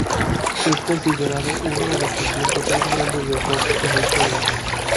Es considerado uno de los conciertos más grandes de rock en la historia.